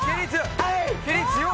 はい！